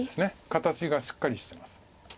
形がしっかりしてます。